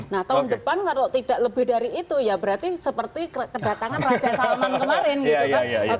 nah tahun depan kalau tidak lebih dari itu ya berarti seperti kedatangan raja salman kemarin gitu kan